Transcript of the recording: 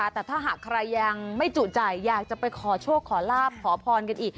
แต่ถ้าหากใครยังไม่จุใจอยากจะไปขอโชคขอลาบขอพรกันอีก